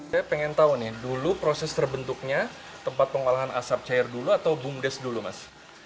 saya pengen tahu nih dulu proses terbentuknya tempat pengolahan asap cair dulu atau bumdes dulu mas